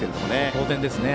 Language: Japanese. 当然ですね。